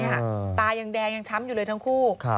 ตายังแดงยังช้ำอยู่เลยทั้งคู่